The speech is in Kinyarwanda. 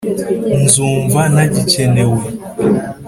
nzumva ntagikenewe